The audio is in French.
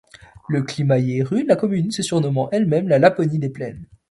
Le climat y est rude, la commune se surnommant elle-même la Laponie des plaines.